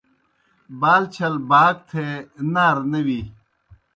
بال چھل باک تھے نارہ نہ وی۔